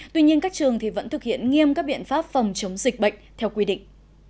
tuy nhiên các trường vẫn thực hiện nghiêm các biện pháp phòng chống dịch bệnh theo quy định